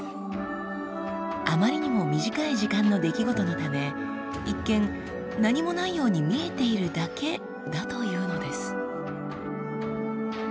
あまりにも短い時間の出来事のため一見何もないように見えているだけだというのです。